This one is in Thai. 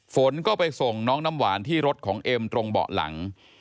ฝนก็ไปส่งน้องน้ำหวานที่รถของเอ็มตรงเบาะหลัง